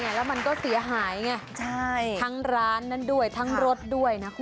แล้วมันก็เสียหายไงทั้งร้านนั้นด้วยทั้งรถด้วยนะคุณ